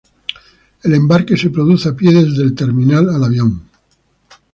El embarque se produce a pie desde la terminal al avión.